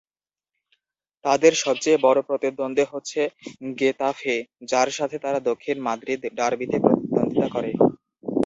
তাদের সবচেয়ে বড় প্রতিদ্বন্দ্বী হচ্ছে গেতাফে, যার সাথে তারা দক্ষিণ মাদ্রিদ ডার্বিতে প্রতিদ্বন্দ্বিতা করে।